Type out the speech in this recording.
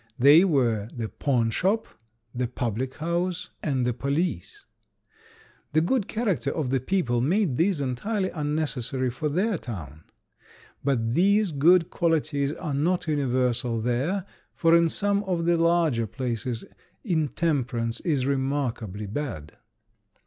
They were the pawnshop, the public house, and the police. The good character of the people made these entirely unnecessary for their town. But these good qualities are not universal there, for in some of the larger places intemperance is remarkably bad.